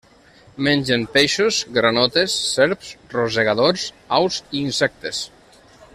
Mengen peixos, granotes, serps, rosegadors, aus i insectes.